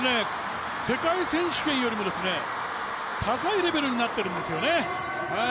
世界選手権よりも高いレベルになっているんですよね。